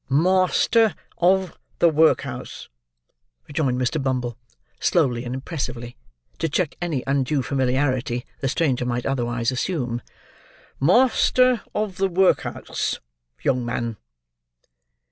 "Master of the workhouse," rejoined Mr. Bumble, slowly and impressively, to check any undue familiarity the stranger might otherwise assume. "Master of the workhouse, young man!"